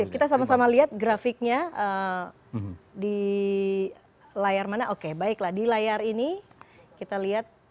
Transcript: kita sama sama lihat grafiknya di layar mana oke baiklah di layar ini kita lihat